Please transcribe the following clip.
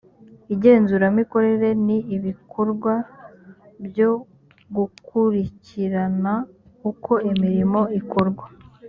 igenzuramikorere ni ibikorwa byo gukurikirana uko imirimo ikorwa